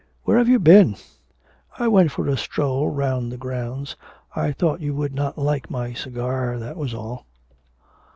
'Where have you been?' 'I went for a stroll round the grounds. I thought you would not like my cigar, that was all.'